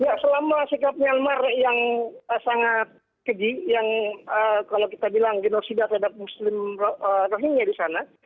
ya selama sikap myanmar yang sangat keji yang kalau kita bilang genosida terhadap muslim rohingya di sana